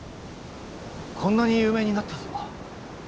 こんなに有名になったぞ。